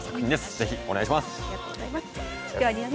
ぜひお願いします。